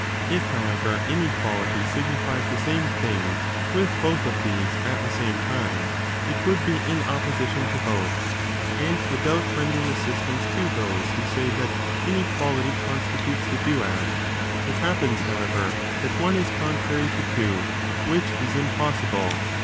I^ however, inequality signifies the same thing with both of these at the same time, it would be in opposition to both, }md the doubt renders assistance to those who say that inequality constitutes the duad; it happens, however, that one is contrary to two, which is impossible.